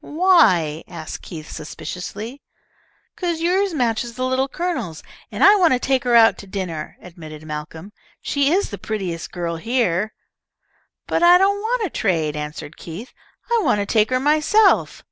"Why?" asked Keith, suspiciously. "'Cause yours matches the Little Colonel's, and I want to take her out to dinner," admitted Malcolm. "She is the prettiest girl here." "But I don't want to trade," answered Keith. "I want to take her myself."